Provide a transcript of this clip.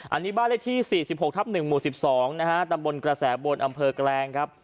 อันนี้บ้านเลขที่๔๖ทับ๑หมู่๑๒นะฮะตำบลกระแสบนอำเภอแกลงครับ